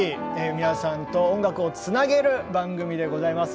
皆さんと音楽をつなげる番組でございます。